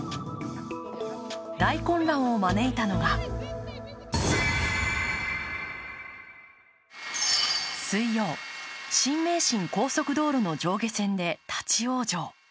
大混乱を招いたのが水曜、新名神高速道路の上下線で立往生。